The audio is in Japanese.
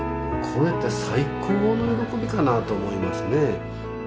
これって最高の喜びかなと思いますね。